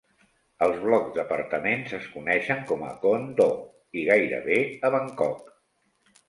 Els blocs d'apartaments es coneixen com a "Con-doh" i gairebé a Bangkok.